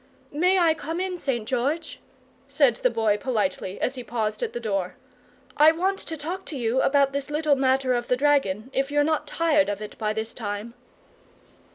"May I come in, St. George?" said the Boy politely, as he paused at the door. "I want to talk to you about this little matter of the dragon, if you're not tired of it by this time."